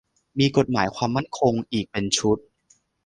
มีกฎหมายความมั่นคงอีกเป็นชุด